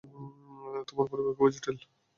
তোমার পরিবার খুবই জটিল।